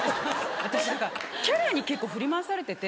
私キャラに結構振り回されてて。